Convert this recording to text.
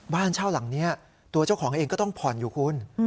บ้านเช่าหลังนี้ตัวเจ้าของเองก็ต้องผ่อนอยู่คุณ